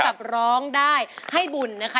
กับร้องได้ให้บุญนะคะ